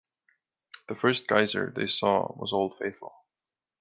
The first geyser they saw was Old Faithful.